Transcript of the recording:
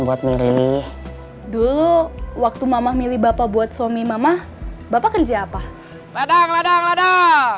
buat milih dulu waktu mama milih bapak buat suami mama bapak kerja apa padang padang padang